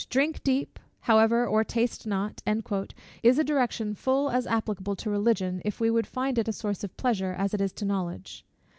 "Drink deep," however, "or taste not," is a direction full as applicable to Religion, if we would find it a source of pleasure, as it is to knowledge.